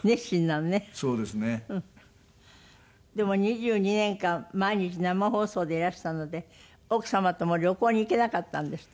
でも２２年間毎日生放送でいらしたので奥様とも旅行に行けなかったんですってね。